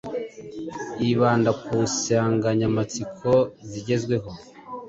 Yibanda ku nsanganyamatsiko zigezweho